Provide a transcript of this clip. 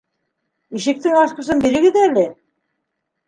Ишектең асҡысын бирегеҙ әле